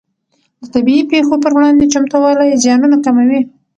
د طبیعي پېښو پر وړاندې چمتووالی زیانونه کموي.